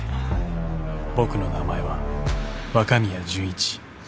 ［僕の名前は若宮潤一］